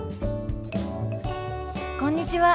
こんにちは。